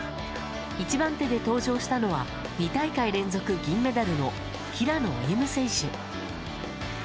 １番手で登場したのは、２大会連続銀メダルの平野歩夢選手。